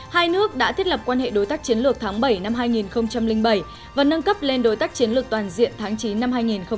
hai nước đã thiết lập quan hệ đối tác chiến lược tháng bảy năm hai nghìn bảy và nâng cấp lên đối tác chiến lược toàn diện tháng chín năm hai nghìn một mươi